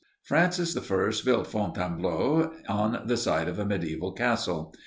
Francis I built Fontainebleau, on the site of a mediæval castle.